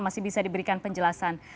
masih bisa diberikan penjelasan